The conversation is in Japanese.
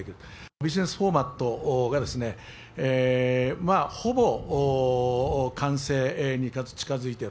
ビジネスフォーマットがほぼ完成に近づいている。